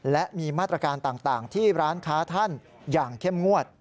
และมีมาตรการต่างที่ร้านค้าท่านอย่างเข้มงวด